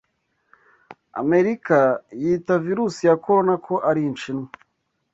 America yita virus ya Corona ko ari Inshinwa